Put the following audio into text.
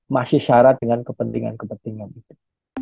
masih syarat dengan kepentingan kepentingan itu